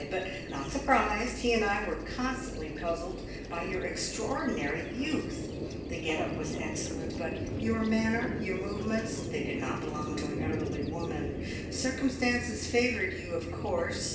But not surprised! He and I were constantly puzzled by your extraordinary youth! The get up was excellent, but your manner, your movements they did not belong to an elderly woman. Circumstances favoured you, of course!